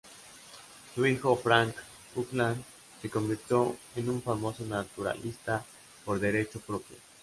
Su hijo Frank Buckland se convirtió en un famoso naturalista por derecho propio.